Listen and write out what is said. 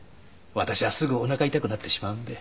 私はすぐおなか痛くなってしまうので。